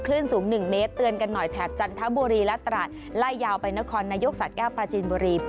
สูง๑เมตรเตือนกันหน่อยแถบจันทบุรีและตราดไล่ยาวไปนครนายกสะแก้วปราจีนบุรี